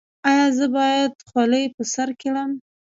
ایا زه باید خولۍ په سر کړم؟